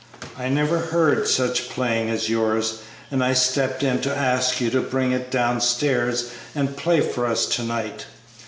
I never heard such playing as yours, and I stepped in to ask you to bring it downstairs and play for us to night.